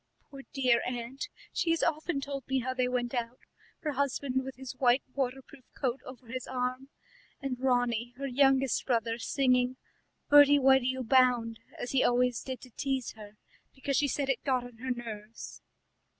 Poor dear aunt, she has often told me how they went out, her husband with his white waterproof coat over his arm, and Ronnie, her youngest brother, singing 'Bertie, why do you bound?' as he always did to tease her, because she said it got on her nerves.